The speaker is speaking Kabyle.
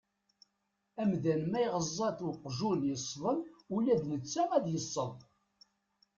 Amdan ma iɣeẓẓa-t uqjun yesḍen ula d netta ad yesseḍ.